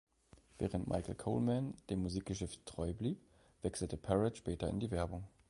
Während Michael Coleman dem Musikgeschäft treu blieb, wechselte Parrott später in die Werbung.